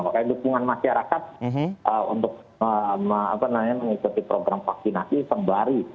makanya dukungan masyarakat untuk mengikuti program vaksinasi sembari